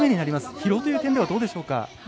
疲労という点ではどうでしょうか。